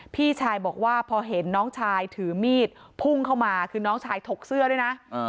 พี่ชายบอกว่าพอเห็นน้องชายถือมีดพุ่งเข้ามาคือน้องชายถกเสื้อด้วยนะ